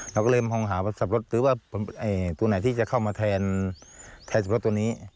เราก็เริ่มห่องหาสับปะรดหรือว่าตัวไหนที่จะเข้ามาแทนสับปะรดตัวนี้